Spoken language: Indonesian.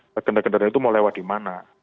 kendaraan kendaraan itu mau lewat di mana